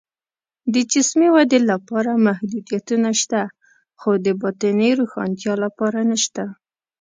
د جسمي ودې لپاره محدودیتونه شته، خو د باطني روښنتیا لپاره نشته